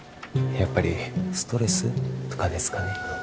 やっぱりストレスとかですかね？